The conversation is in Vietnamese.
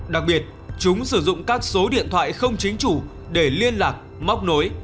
đặc biệt chúng sử dụng các số điện thoại không chính chủ để liên lạc móc nối